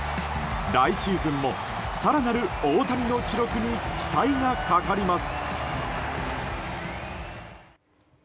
来シーズンも更なる大谷の記録に期待がかかります。